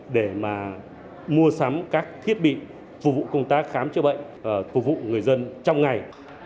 để mà mua sắm các thiết bị phục vụ công tác khám chữa bệnh phục vụ người dân trong ngày